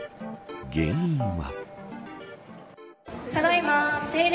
原因は。